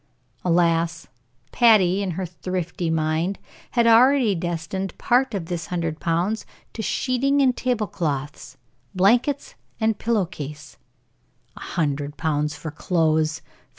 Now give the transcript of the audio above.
Alas, Patty, in her thrifty mind, had already destined part of this hundred pounds to sheeting and table clothes, blankets and pillow cases! A hundred pounds for clothes!